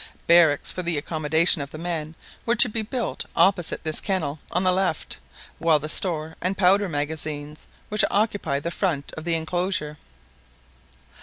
Barracks for the accommodation of the men were to be built opposite this kennel on the left, while the store and powder magazines were to occupy the front of the enclosure.